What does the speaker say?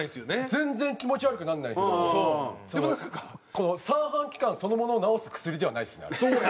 全然気持ち悪くなんないんですけどこの三半規管そのものを治す薬ではないですねあれ。